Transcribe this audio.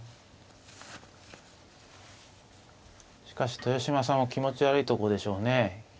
しかし豊島さんも気持ち悪いところでしょうね。